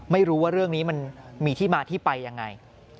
ไม่รู้ว่าเรื่องนี้มันมีที่มาที่ไปยังไง